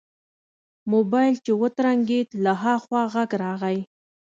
موبايل يې وترنګېد له ها خوا غږ راغی.